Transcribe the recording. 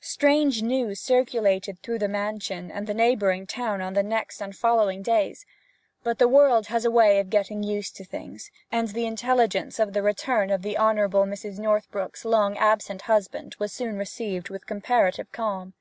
Strange news circulated through that mansion and the neighbouring town on the next and following days. But the world has a way of getting used to things, and the intelligence of the return of The Honourable Mrs. Northbrook's long absent husband was soon received with comparative calm.